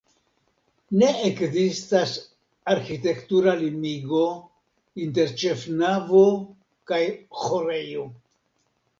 Ne ekzistas arĥitektura limigo inter ĉefnavo kaj ĥorejo.